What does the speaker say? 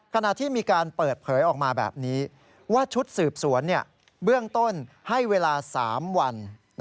ขณะที่มีการเปิดเผยออกมาแบบนี้ว่าชุดสืบสวนเบื้องต้นให้เวลา๓วัน